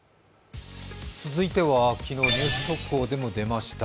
続いては昨日ニュース速報でも出ました